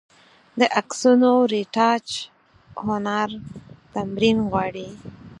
د عکسونو رېټاچ هنر تمرین غواړي.